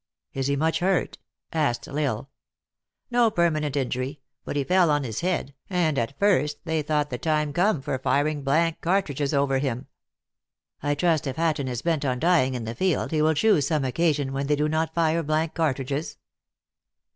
" Is he much hurt ?" asked L Isle. "No permanent injury. But he fell on his head, and, at first, they thought the time come for firing blank cartridges over him." " I trust, if Hatton is bent on dying in the field, lie will choose some occasion when they do not fire blank cartridges."